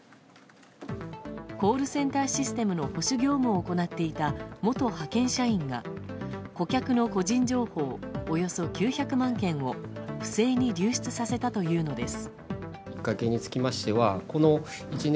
コールセンターシステムの保守業務を行っていた元派遣社員が顧客の個人情報およそ９００万件を不正に流出させたというのです。